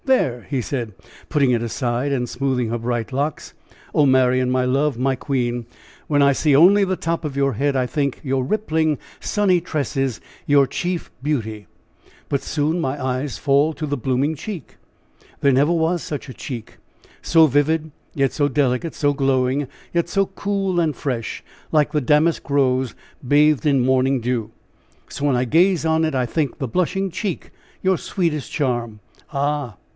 There!" he said, putting it aside, and smoothing her bright locks. "Oh, Marian! my love! my queen! when I see only the top of your head, I think your rippling, sunny tresses your chief beauty; but soon my eyes fall to the blooming cheek there never was such a cheek so vivid, yet so delicate, so glowing, yet so cool and fresh like the damask rose bathed in morning dew so when I gaze on it I think the blushing cheek your sweetest charm ah!